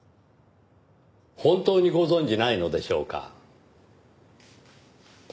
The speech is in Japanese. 本当にご存じないのでしょうか？